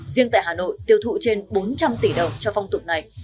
riêng tại hà nội tiêu thụ trên bốn trăm linh tỷ đồng cho phong tục này